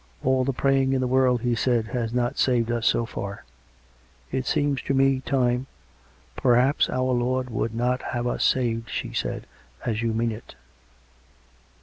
" All the praying in the world," he said, " has not saved us s'o far. It seems to me time "" Perhaps our Lord would not have us saved," she said; " as you mean it."